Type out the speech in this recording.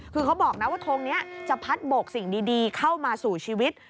คือเขาบอกนะว่าทงนี้จะพัดโบกสิ่งดีเข้ามาสู่ชีวิต